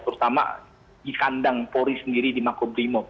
terutama di kandang polri sendiri di makrobrimo